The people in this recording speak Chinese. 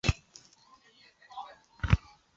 绿岛细柄草为禾本科细柄草属下的一个种。